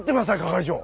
係長！